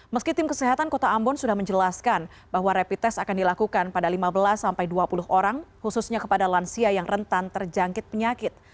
meski tim kesehatan kota ambon sudah menjelaskan bahwa rapid test akan dilakukan pada lima belas dua puluh orang khususnya kepada lansia yang rentan terjangkit penyakit